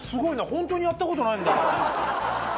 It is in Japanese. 本当にやった事ないんだ。